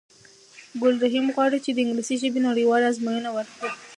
ګل رحیم غواړی چې د انګلیسی ژبی نړېواله آزموینه ورکړی